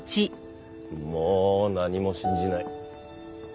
もう何も信じない。